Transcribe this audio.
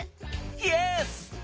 イエス！